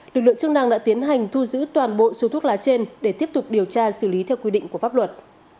lực lượng chức năng đã tiến hành thu giữ toàn bộ số thuốc lá trên để tiếp tục điều tra xử lý theo quy định của pháp luật